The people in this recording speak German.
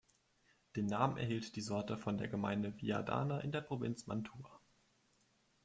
Den Namen erhielt die Sorte von der Gemeinde Viadana in der Provinz Mantua.